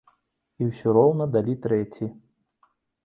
І ўсё роўна далі трэці.